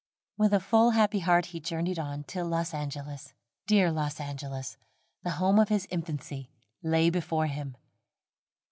With a full happy heart he journeyed on, till Los Angeles, dear Los Angeles, the home of his infancy, lay before him.